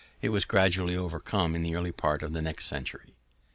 It was gradually overcome in the early part of the next century.